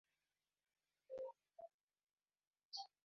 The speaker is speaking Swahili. Ulikuwa msichana muzuri sana.